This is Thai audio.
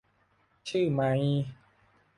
ชื่อใหม่